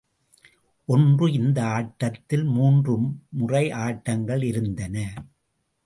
ஒன்று இந்த ஆட்டத்தில் மூன்று முறை ஆட்டங்கள் இருந்தன.